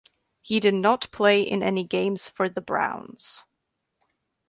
He did not play in any games for the Browns.